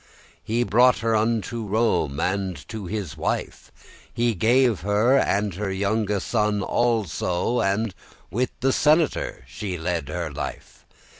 * *die He brought her unto Rome, and to his wife He gave her, and her younge son also: And with the senator she led her life.